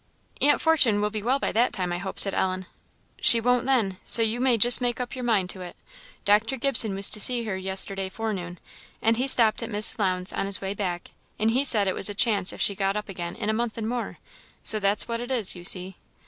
"Aunt Fortune will be well by that time, I hope," said Ellen. "She won't, then, so you may just make up your mind to it. Dr. Gibson was to see her yesterday forenoon, and he stopped at Miss Lowndes' on his way back; and he said it was a chance if she got up again in a month and more. So, that's what it is, you see."